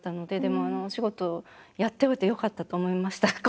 でもあのお仕事をやっておいてよかったと思いました。